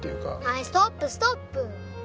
はいストップストップ！